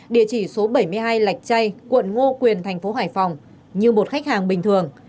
địa chỉ số bảy mươi hai lạch chay quận ngô quyền thành phố hải phòng như một khách hàng bình thường